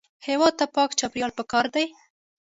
هېواد ته پاک چاپېریال پکار دی